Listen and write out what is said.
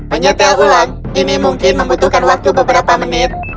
menyetel ulang ini mungkin membutuhkan waktu beberapa menit